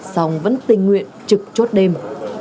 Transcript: sống vẫn tình nguyện trực chốt đêm